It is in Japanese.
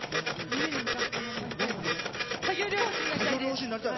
夢に向かって頑張りたいです。